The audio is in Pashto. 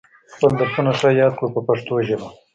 خپل درسونه ښه یاد کړو په پښتو ژبه.